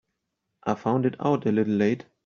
I found it out a little late.